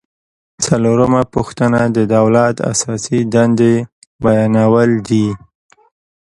څلورمه پوښتنه د دولت اساسي دندې بیانول دي.